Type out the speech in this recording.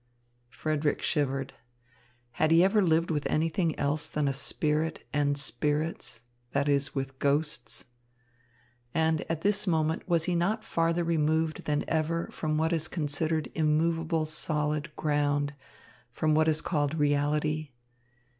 Frederick shivered. Had he ever lived with anything else than a spirit and spirits, that is, with ghosts? And at this moment was he not farther removed than ever from what is considered immovable solid ground, from what is called reality?